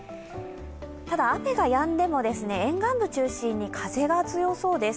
ただ、雨がやんでも沿岸部を中心に風は強そうです。